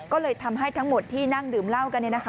ก็เลยทำให้ทั้งหมดที่นั่งดื่มเหล้ากัน